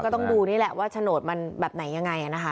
ต้องดูนี่แหละว่าโฉนดมันแบบไหนยังไงนะคะ